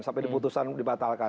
sampai diputusan dibatalkan